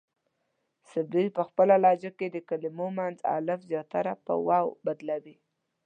صبري پۀ خپله لهجه کې د کلمو منځ الف زياتره پۀ واو بدلوي.